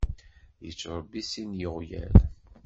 Yettṛebbi sin n yiɣyal.